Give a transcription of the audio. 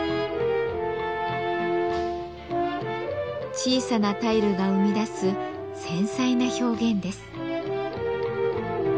小さなタイルが生み出す繊細な表現です。